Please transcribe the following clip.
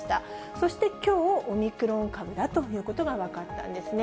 そしてきょう、オミクロン株だということが分かったんですね。